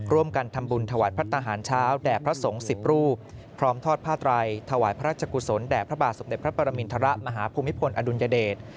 ร่วมกันทำบุญถวายพัฒนาหารเช้าแด่พระสงฆ์๑๐รูปพร้อมทอดผ้าไตรถวายพระราชกุศลแด่พระบาทสมเด็จพระปรมินทรมาฮภูมิพลอดุลยเดช